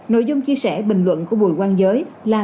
nội dung chia sẻ bình luận của bùi quang giới là